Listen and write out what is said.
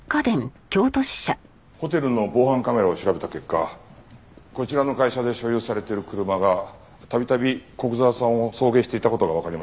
ホテルの防犯カメラを調べた結果こちらの会社で所有されている車が度々古久沢さんを送迎していた事がわかりました。